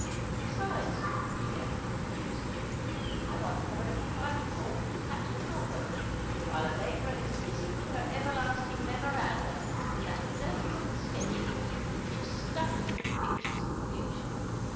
" Besides," she added confusedly, " I want to have a little private talk with Captain Hulbert, while Allegra is busy with her everlasting memoranda in that dirty little sketch book which is stuffed with the pictures of the future.